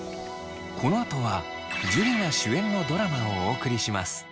このあとは樹が主演のドラマをお送りします。